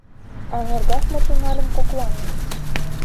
Аҥыргаш мо тӱҥальым коклан?